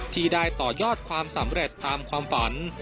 ที่ได้ต่อยอดความสำเร็จตามความฝัน